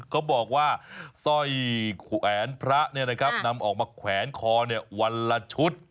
เขาบอกว่าสร้อยแขวนพระนำออกมาแขวนคอวันละชุด